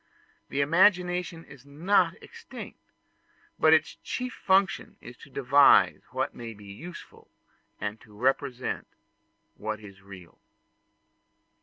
The imagination is not extinct; but its chief function is to devise what may be useful, and to represent what is real.